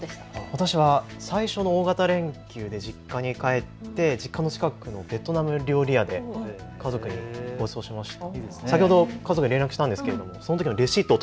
私は最初の大型連休で実家に帰って実家の近くのベトナム料理屋で家族にごちそうしました。